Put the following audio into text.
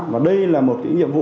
và đây là một cái nhiệm vụ